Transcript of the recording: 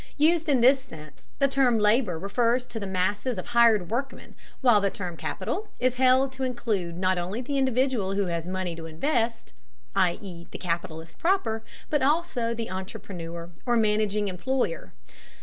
Used in this sense, the term labor refers to the masses of hired workmen, while the term capital is held to include not only the individual who has money to invest, i.e. the capitalist proper, but also the entrepreneur, or managing employer.